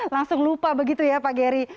langsung lupa begitu ya pak geri